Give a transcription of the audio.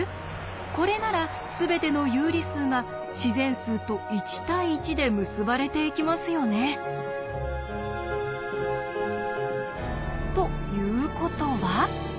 これならすべての有理数が自然数と１対１で結ばれていきますよね。ということは？